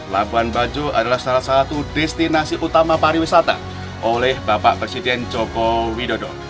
labuan bajo adalah salah satu destinasi utama pariwisata oleh bapak presiden joko widodo